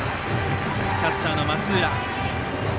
キャッチャーの松浦。